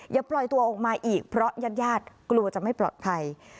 อย่าปล่อยตัวออกมาอีกเพราะญาติญาติกลัวจะไม่ปลอดภัย